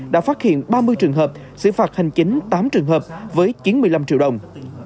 đã phát hiện ba mươi trường hợp xử phạt hành chính tám trường hợp với chín mươi năm triệu đồng